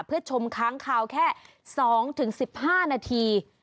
เพื่อชมค้างคาวแค่๒๑๕นาที